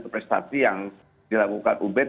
prestasi yang dilakukan ubed